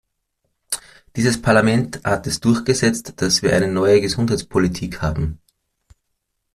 Dieses Parlament hat es durchgesetzt, dass wir eine neue Gesundheitspolitik haben.